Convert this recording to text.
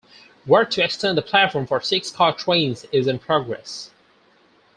Work to extend the platform for six-car trains is in progress.